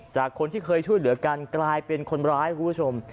จากคนที่เคยช่วยเหลือกันกลายเป็นคนร้ายคุณผู้ชม